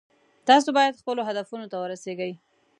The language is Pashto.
تاسو باید خپلو هدفونو ته ورسیږئ